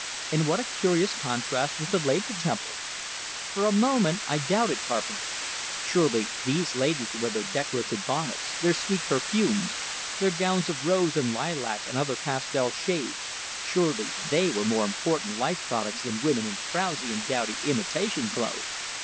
And what a curious contrast with the Labor Temple! For a moment I doubted Carpenter; surely these ladies with their decorative bonnets, their sweet perfumes, their gowns of rose and lilac and other pastel shades surely they were more important life products than women in frowsy and dowdy imitation clothes!